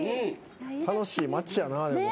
楽しい街やな。